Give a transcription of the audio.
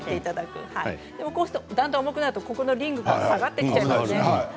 だんだん重くなってくるとリングが下がってきちゃいますよね。